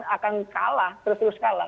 akan kalah terus terus kalah